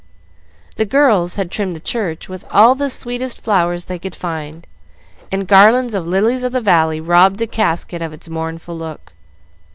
The girls had trimmed the church with all the sweetest flowers they could find, and garlands of lilies of the valley robbed the casket of its mournful look.